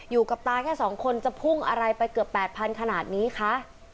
อยู่กับตาแค่๒คนจะพุ่งอะไรไปเกือบ๘๐๐ขนาดนี้คะ